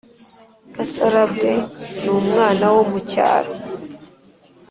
gasarabwe ni umwana wo mu cyaro.